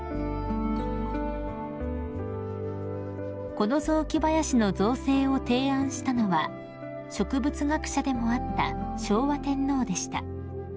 ［この雑木林の造成を提案したのは植物学者でもあった昭和天皇でした］